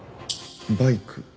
バイク？